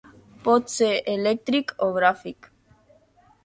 Pot ser elèctric o gràfic.